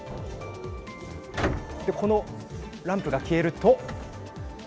このランプが消えると。